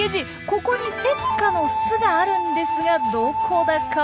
ここにセッカの巣があるんですがどこだかわかりますか？